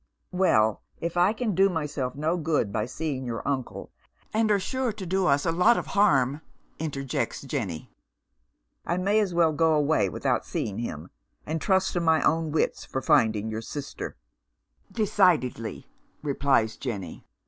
" Well, if I can do myself no good by seeing your uncle "And are sure to do us a lot of harm," interjects Jenny. " I may as well go away without seeing kim, and trust to najT cwii wits for finding your sister. "" Will Fortune never come .'" 149 " Decidedly," replies Jenny.